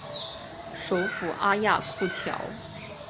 首府阿亚库乔。